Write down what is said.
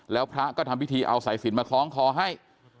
แล้วพระก็ทำพิธีเอาสายสินมาคล้องคอให้